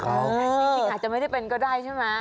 เพราะจริงอาจจะไม่ได้ก็ได้ใช่มั้ย